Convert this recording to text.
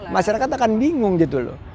masyarakat akan bingung gitu loh